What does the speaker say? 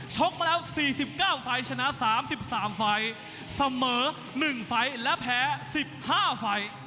มาแล้ว๔๙ไฟล์ชนะ๓๓ไฟล์เสมอ๑ไฟล์และแพ้๑๕ไฟล์